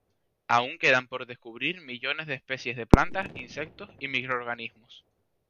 Aún quedan por descubrir millones de especies de plantas, insectos y microorganismos.